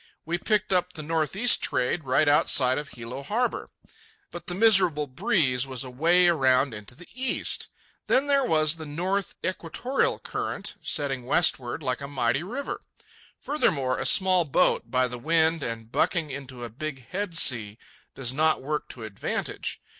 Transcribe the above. We picked up the northeast trade right outside of Hilo harbour, but the miserable breeze was away around into the east. Then there was the north equatorial current setting westward like a mighty river. Furthermore, a small boat, by the wind and bucking into a big headsea, does not work to advantage.